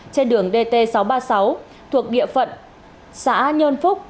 trên đường dt sáu trăm ba mươi sáu thuộc địa phận xã nhơn phúc